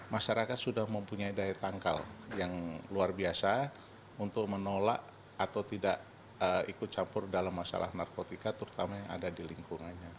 masyarakat sudah mempunyai daya tangkal yang luar biasa untuk menolak atau tidak ikut campur dalam masalah narkotika terutama yang ada di lingkungannya